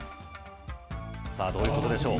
さあ、どういうことでしょう。